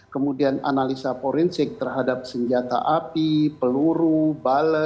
kemudian analisa forensik terhadap senjata api peluru benda lainnya